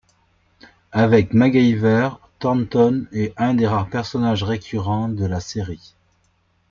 Avec MacGyver, Thornton est un des rares personnages récurrents de la série.